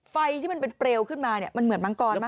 ไฟมันเป็นเปรวขึ้นมาเหมือนมังกรมั้ย